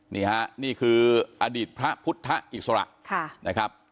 นี่ฮะนี่คืออดีตพระพุทธอิสระนะครับ